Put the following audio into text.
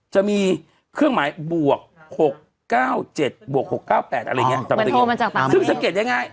จะมีเครื่องหมายบวก๖๙๗บวก๖๙๘อะไรอย่างนี้ซึ่งสังเกตได้ง่าย